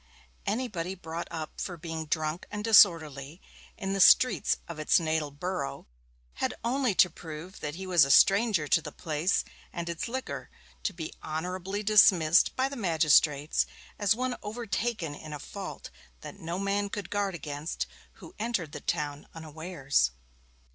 Anybody brought up for being drunk and disorderly in the streets of its natal borough, had only to prove that he was a stranger to the place and its liquor to be honourably dismissed by the magistrates, as one overtaken in a fault that no man could guard against who entered the town unawares.